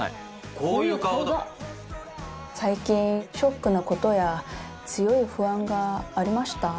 こういう顔だ最近ショックなことや強い不安がありました？